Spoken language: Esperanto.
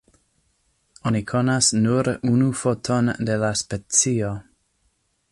Oni konas nur unu foton de la specio.